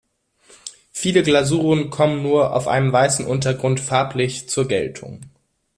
Viele Glasuren kommen nur auf einem weißen Untergrund farblich zur Geltung.